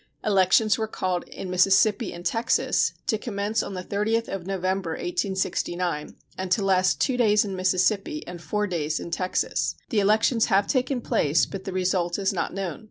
Elections were called in Mississippi and Texas, to commence on the 30th of November, 1869, and to last two days in Mississippi and four days in Texas. The elections have taken place, but the result is not known.